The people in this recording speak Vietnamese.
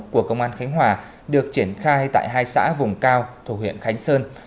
của công an khánh hòa được triển khai tại hai xã vùng cao thủ huyện khánh sơn